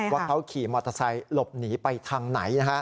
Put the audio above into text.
ว่าเขาขี่มอเตอร์ไซค์หลบหนีไปทางไหน